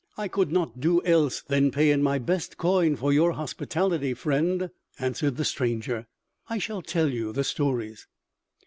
"I could not do else than pay in my best coin for your hospitality, friend," answered the stranger. "I shall tell you the stories."